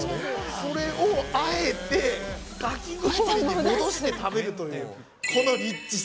それをあえて、かき氷に戻して食べるという、このニッチさ。